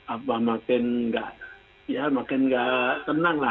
apa makin nggak ya makin nggak tenang lah